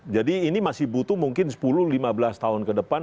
jadi ini masih butuh mungkin sepuluh lima belas tahun ke depan